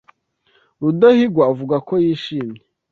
Rudahigwa avuga ko yishimye.